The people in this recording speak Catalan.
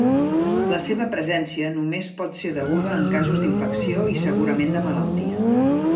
La seva presència només pot ser deguda en casos d'infecció i segurament de malaltia.